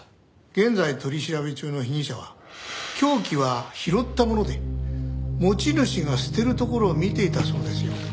現在取り調べ中の被疑者は凶器は拾ったもので持ち主が捨てるところを見ていたそうですよ。